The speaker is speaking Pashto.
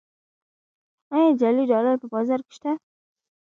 آیا جعلي ډالر په بازار کې شته؟